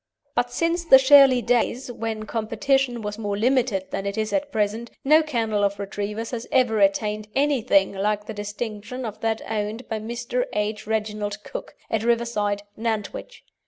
But since the Shirley days, when competition was more limited than it is at present, no kennel of Retrievers has ever attained anything like the distinction of that owned by Mr. H. Reginald Cooke, at Riverside, Nantwich.